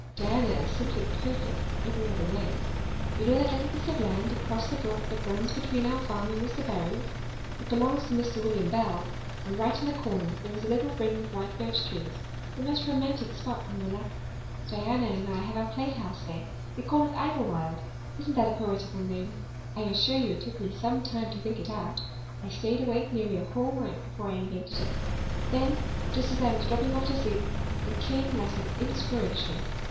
Diana is simply perfect in every other way. You know that little piece of land across the brook that runs up between our farm and Mr. Barry's. It belongs to Mr. William Bell, and right in the corner there is a little ring of white birch trees the most romantic spot, Marilla. Diana and I have our playhouse there. We call it Idlewild. Isn't that a poetical name? I assure you it took me some time to think it out. I stayed awake nearly a whole night before I invented it. Then, just as I was dropping off to sleep, it came like an inspiration.